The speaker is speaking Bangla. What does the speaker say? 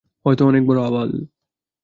হয়ত অনেক বড় আবাল।